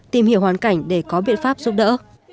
tìm hiểu hoàn cảnh để có biện pháp giúp đỡ